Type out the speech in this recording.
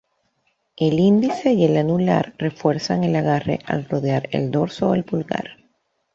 El índice y el anular refuerzan el agarre al rodear el dorso del pulgar.